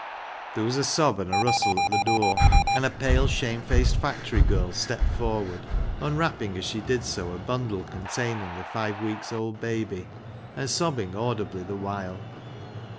There was a sob and a rustle at the door, and a pale, shamefaced factory girl stepped forward, unwrapping as she did so a bundle containing a five weeks old baby, and sobbing audibly the while.